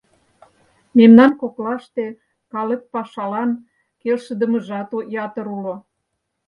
Мемнан коклаште калык пашалан келшыдымыжат ятыр уло.